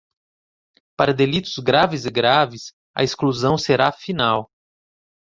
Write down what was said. Para delitos graves e graves, a exclusão será final.